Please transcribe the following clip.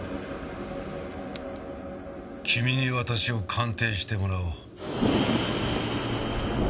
君に私を鑑定してもらおう。